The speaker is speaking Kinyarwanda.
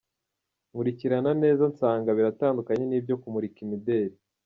Nkurikirana neza nsanga biratandukanye n’ibyo kumurika imideli.